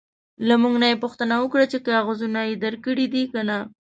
له موږ نه یې پوښتنه وکړه چې کاغذونه درکړي دي که نه.